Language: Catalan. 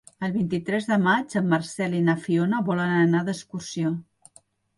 El vint-i-tres de maig en Marcel i na Fiona volen anar d'excursió.